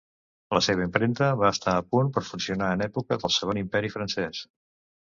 La seva impremta va estar a punt per funcionar en època del Segon Imperi Francès.